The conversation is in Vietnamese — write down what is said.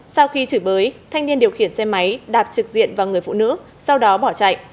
sau khi chửi bới thanh niên điều khiển xe máy đạp trực diện vào người phụ nữ sau đó bỏ chạy